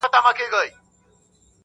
په یوه ګړي یې مرګ ته برابر کړ.!